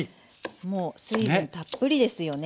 もう水分たっぷりですよね。